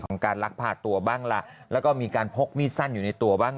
การลักพาตัวบ้างล่ะแล้วก็มีการพกมีดสั้นอยู่ในตัวบ้าง